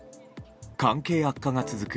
関係悪化が続く